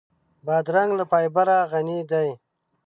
بادرنګ له فایبره غني دی.